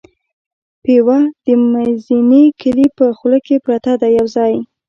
پېوه د مزینې کلي په خوله کې پرته ده یو ځای.